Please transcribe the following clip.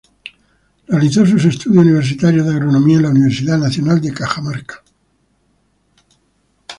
Realizó sus estudios universitario de agronomía en la Universidad Nacional de Cajamarca.